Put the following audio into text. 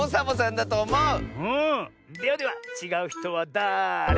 ではでは「ちがうひとはだれ？」